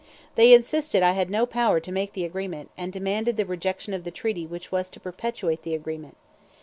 They insisted I had no power to make the agreement, and demanded the rejection of the treaty which was to perpetuate the agreement.